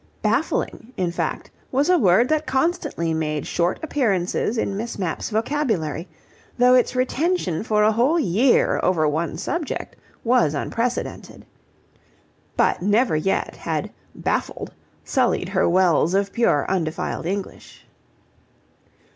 "Baffling," in fact, was a word that constantly made short appearances in Miss Mapp's vocabulary, though its retention for a whole year over one subject was unprecedented. But never yet had "baffled" sullied her wells of pure undefiled English.